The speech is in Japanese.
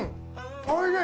おいしい！